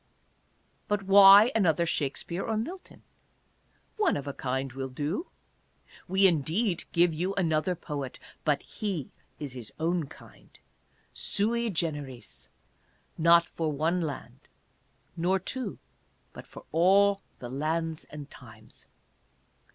But why another Shakspere or Mil ton ? One of a kind will do. We indeed give you anothei poet, but he is his own kind — sui generis — not for one land, nor two, but for all the lands and times.